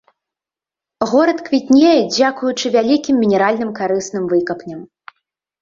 Горад квітнее дзякуючы вялікім мінеральным карысным выкапням.